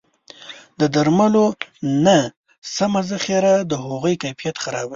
د درملو نه سمه ذخیره د هغوی کیفیت خرابوي.